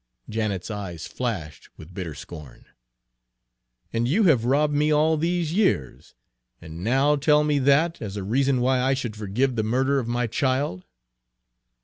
Janet's eyes flashed with bitter scorn. "And you have robbed me all these years, and now tell me that as a reason why I should forgive the murder of my child?"